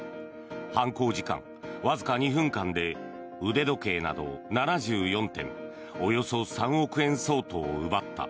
犯行時間わずか２分間で腕時計など７４点およそ３億円相当を奪った。